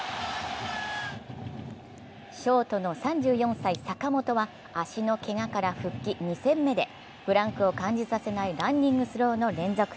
ショートの３４歳、坂本は足のけがから復帰２戦目でブランクを感じさせないランニングスローの連続。